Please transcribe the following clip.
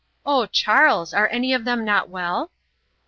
"Oh, Charles, are any of them not well?"